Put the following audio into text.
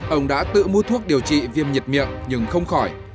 ông đã tự mua thuốc điều trị viêm nhiệt miệng nhưng không khỏi